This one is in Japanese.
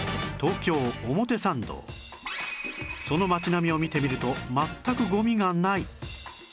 その街並みを見てみると全くゴミがない！